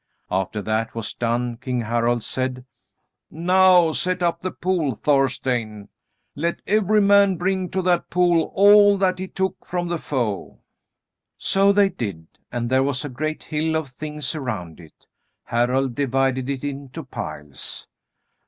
After that was done King Harald said: "Now set up the pole, Thorstein. Let every man bring to that pole all that he took from the foe." So they did, and there was a great hill of things around it. Harald divided it into piles.